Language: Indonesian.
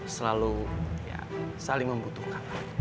selalu ya saling membutuhkan